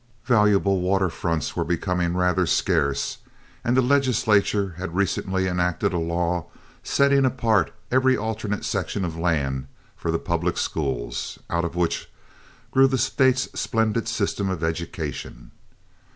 Valuable water fronts were becoming rather scarce, and the legislature had recently enacted a law setting apart every alternate section of land for the public schools, out of which grew the State's splendid system of education.